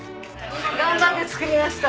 頑張って作りました。